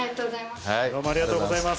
ありがとうございます。